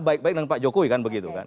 baik baik dengan pak jokowi kan begitu kan